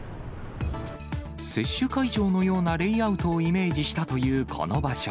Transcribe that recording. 接種会場のようなレイアウトをイメージしたというこの場所。